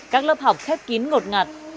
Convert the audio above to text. các lớp học khép kín ngột ngạt